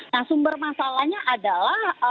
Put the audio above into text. nah sumber masalahnya adalah